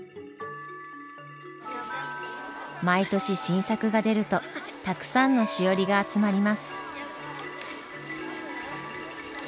毎年新作が出るとたくさんのしおりが集まります。